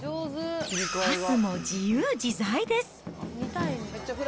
パスも自由自在です。